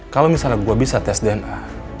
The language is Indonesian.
kalau misalnya gue bisa tes dna